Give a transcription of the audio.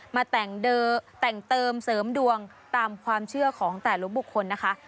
มาแต่งเติมเสริมดวงตามความเชื่อของแต่ละบุคคลนะคะ